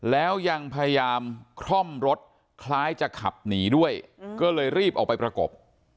แล้วยังพยายามคล่อมรถคล้ายจะขับหนีด้วยก็เลยรีบออกไปประกบ